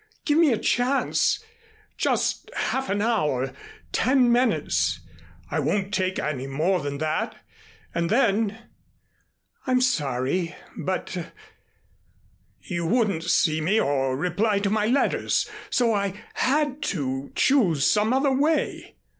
Give me a chance just half an hour ten minutes. I won't take more than that and then " "I'm sorry, but " "You wouldn't see me or reply to my letters, and so I had to choose some other way.